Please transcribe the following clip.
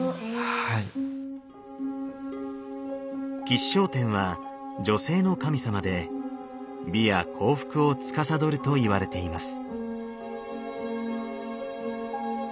吉祥天は女性の神様で美や幸福をつかさどるといわれています。